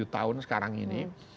tujuh tahun sekarang ini